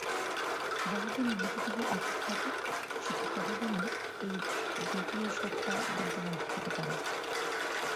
যতদিন মৃতদেহ অটুট থাকে, শুধু ততদিনই এই দ্বিতীয় সত্তা বিদ্যমান থাকিতে পারে।